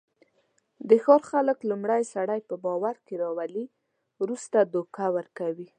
د ښار خلک لومړی سړی په باورکې راولي، ورسته دوکه ورکوي.